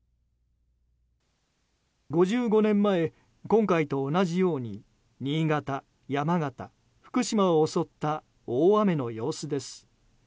５５年前、今回と同じように新潟、山形、福島を襲った大雨の様子です。